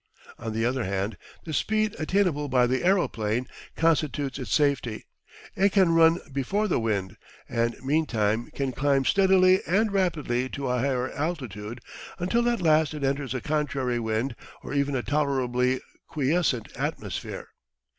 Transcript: On the other hand, the speed attainable by the aeroplane constitutes its safety. It can run before the wind, and meantime can climb steadily and rapidly to a higher altitude, until at last it enters a contrary wind or even a tolerably quiescent atmosphere.